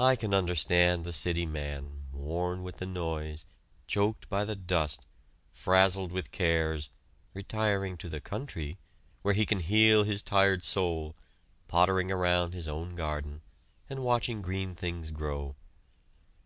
I can understand the city man, worn with the noise, choked by the dust, frazzled with cares, retiring to the country, where he can heal his tired soul, pottering around his own garden, and watching green things grow.